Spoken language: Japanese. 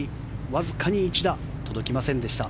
わずかに１打届きませんでした。